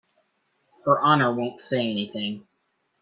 Her Honor won't say anything.